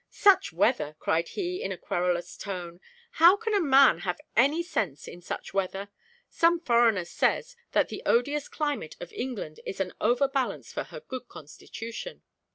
"Such weather!" cried he in a querulous tone; "how can a man have any sense in such weather? Some foreigner says, that the odious climate of England is an over balance for her good constitution.